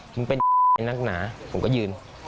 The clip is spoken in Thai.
มันเป็นนักหนาผมก็ยืน